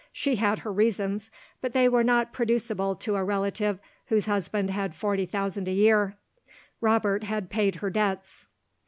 She had her reasons but they were not producible to a relative whose husband had forty thousand a year. Robert had paid her debts.